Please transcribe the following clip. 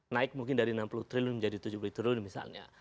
naik mungkin dari enam puluh triliun menjadi tujuh puluh triliun misalnya